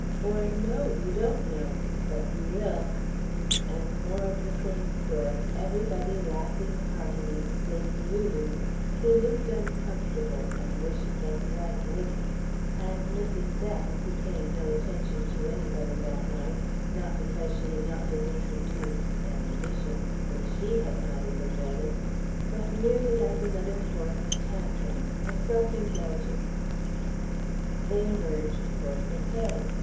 Or no! You don't know! But you will" and more of the same sort, everybody laughing heartily, save Lulu, who looked uncomfortable and wished that Dwight wouldn't, and Mrs. Bett, who paid no attention to anybody that night, not because she had not been introduced, an omission, which she had not even noticed, but merely as another form of "tantrim." A self indulgence. They emerged for croquet.